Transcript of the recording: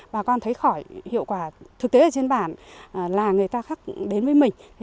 bà con thấy khỏi hiệu quả thực tế ở trên bản là người ta khác đến với mình